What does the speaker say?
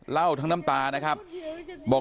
เล่าทั้งน้ำตานะครับบอก